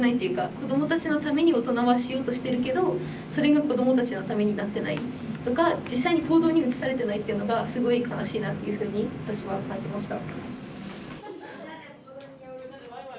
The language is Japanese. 子どもたちのために大人はしようとしてるけどそれが子どもたちのためになってないとか実際に行動に移されてないっていうのがすごい悲しいなっていうふうに私は感じました。